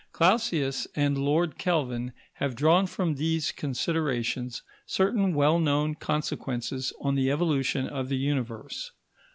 Clausius and Lord Kelvin have drawn from these considerations certain well known consequences on the evolution of the Universe.